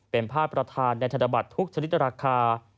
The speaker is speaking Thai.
เป็นภาพประธานในธนบัตรทุกชนิดราคา